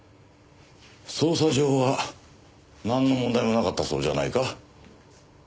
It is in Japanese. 捜査上はなんの問題もなかったそうじゃないか。